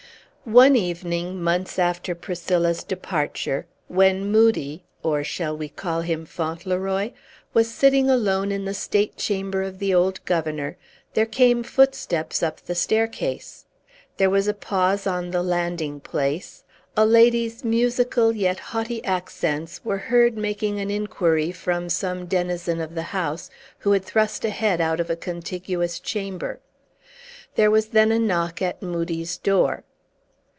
One evening, months after Priscilla's departure, when Moodie (or shall we call him Fauntleroy?) was sitting alone in the state chamber of the old governor, there came footsteps up the staircase. There was a pause on the landing place. A lady's musical yet haughty accents were heard making an inquiry from some denizen of the house, who had thrust a head out of a contiguous chamber. There was then a knock at Moodie's door.